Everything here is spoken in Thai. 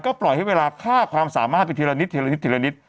ก็ปล่อยให้เวลาฆ่าความสามารถไปทีละนิด